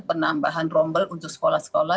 penambahan rombel untuk sekolah sekolah